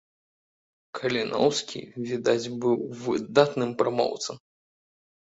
Каліноўскі, відаць, быў выдатным прамоўцам.